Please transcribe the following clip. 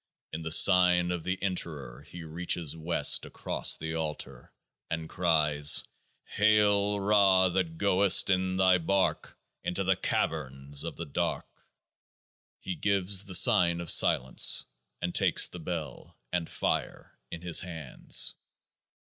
In the Sign of the Enterer he reaches West across the Altar, and cries : Hail Ra, that goest in Thy bark Into the Caverns of the Dark ! He gives the sign of Silence, and takes the Bell, and Fire, in his hands.